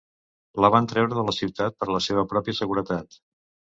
La van treure de la ciutat per la seva pròpia seguretat.